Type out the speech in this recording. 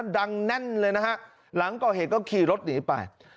แน่นเลยนะฮะหลังก่อเหตุก็ขี่รถหนีไป